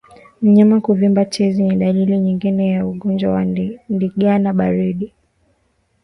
Mnyama kuvimba tezi ni dalili nyingine ya ugonjwa wa ndigana baridi